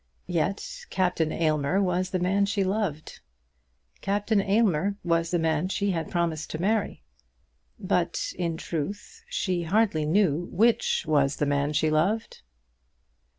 Yet Captain Aylmer was the man she loved! Captain Aylmer was the man she had promised to marry. But, in truth, she hardly knew which was the man she loved!